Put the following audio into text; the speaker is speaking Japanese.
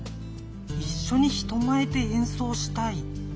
いっしょに人前で演奏したい。